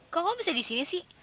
kok kamu bisa di sini sih